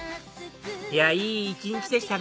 いやいい一日でしたね